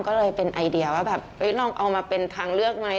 ก็เลยเป็นไอเดียว่าแบบลองเอามาเป็นทางเลือกไหม